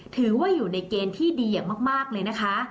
ถือว่าอยู่ในเกณฑ์ที่ดีอย่างมากเลยนะคะ